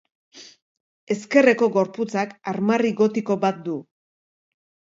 Ezkerreko gorputzak armarri gotiko bat du.